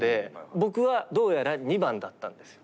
僕はどうやら２番だったんですよ。